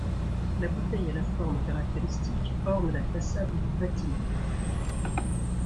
La bouteille à la forme caractéristique orne la façade du bâtiment.